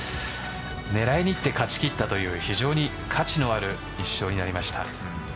狙いにいって勝ち切ったという非常に価値のある１勝になりました。